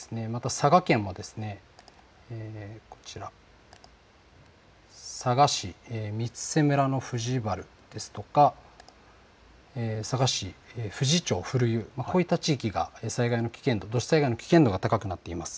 佐賀県も佐賀市三瀬村の藤原ですとか佐賀市富士町古湯、こういった地域が土砂災害の危険度が高くなっています。